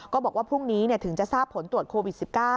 บอกว่าพรุ่งนี้ถึงจะทราบผลตรวจโควิด๑๙